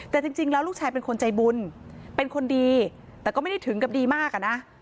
แต่จริงแล้วลูกชายเป็นคนใจบุญเป็นคนดีแต่ก็ไม่ได้ถึงกับดีมากอะนะ